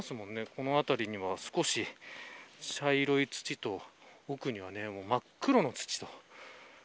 この辺りには、少し茶色い土と奥には真っ黒の土と。